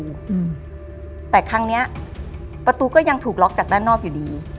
อืมแต่ครั้งเนี้ยประตูก็ยังถูกล็อกจากด้านนอกอยู่ดี